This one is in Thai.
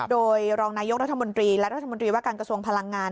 โดยรองนายกรัฐมนตรีและรัฐมนตรีว่าการกระทรวงพลังงาน